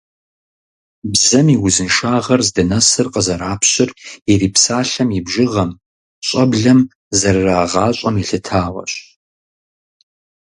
Бзэм и узыншагъэр здынэсыр къызэрапщыр ирипсалъэм и бжыгъэм, щӀэблэм зэрырагъащӀэм елъытауэщ.